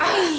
yang en mean